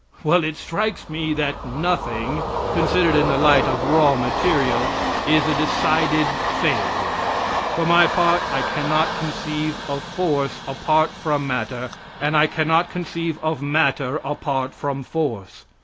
Well, it strikes me that nothing, considered in the light of a raw material, is a decided failure. For my part, I cannot conceive of force apart from matter, and I cannot conceive of matter apart from force.